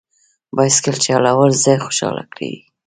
بایسکل چلول زړه خوشحاله کوي.